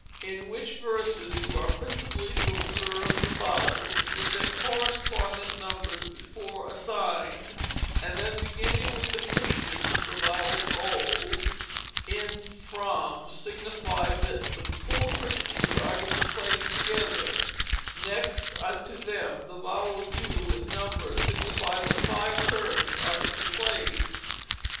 In which verses you are principally to observe the vowels, with their correspondent numbers before assigned, and then beginning with the Christians the vowel o (in from) signifieth that four Christians are to be placed together; next unto them, the vowel u (in num) signifieth that five Turks are to be placed.